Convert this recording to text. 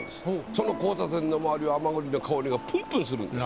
その交差点の周りは甘栗の香りがぷんぷんするんです。